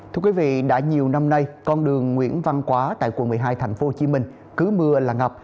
thưa quý vị đã nhiều năm nay con đường nguyễn văn quá tại quận một mươi hai tp hcm cứ mưa là ngập